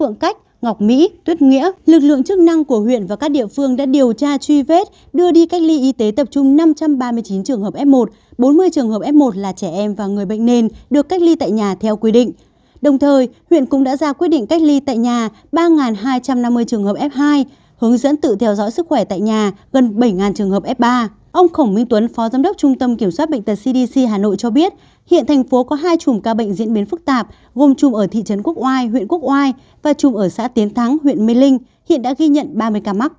ông khổng minh tuấn phó giám đốc trung tâm kiểm soát bệnh tật cdc hà nội cho biết hiện thành phố có hai chùm ca bệnh diễn biến phức tạp gồm chùm ở thị trấn quốc oai huyện quốc oai và chùm ở xã tiến thắng huyện mê linh hiện đã ghi nhận ba mươi ca mắc